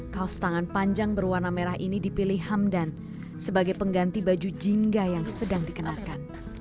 kaos tangan panjang berwarna merah ini dipilih hamdan sebagai pengganti baju jingga yang sedang dikenakan